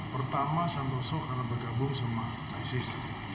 pertama santoso karena bergabung sama isis